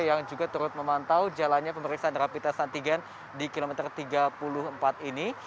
yang juga turut memantau jalannya pemeriksaan rapid test antigen di kilometer tiga puluh empat ini